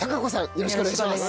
よろしくお願いします。